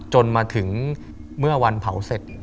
จนมาถึงเมื่อวันเผาเสร็จ